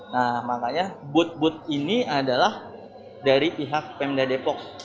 nah makanya booth booth ini adalah dari pihak pemda depok